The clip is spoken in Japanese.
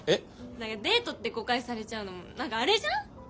何かデートって誤解されちゃうのも何かあれじゃん？